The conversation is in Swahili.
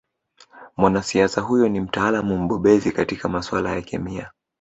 Mwanasiasa huyo ni mtaaluma mbobezi katika masuala ya kemia